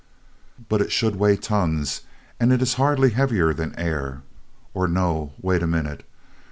"But it should weigh tons, and it is hardly heavier than air or no, wait a minute.